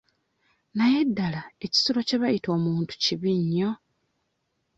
Naye ddala ekisolo kye bayita omuntu kibi nnyo .